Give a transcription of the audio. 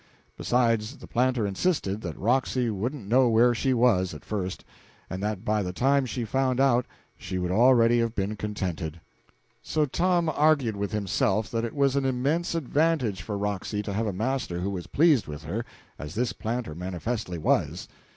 Besides, the planter insisted that Roxy wouldn't know where she was, at first, and that by the time she found out she would already have become contented. And Tom argued with himself that it was an immense advantage for Roxy to have a master who was so pleased with her, as this planter manifestly was.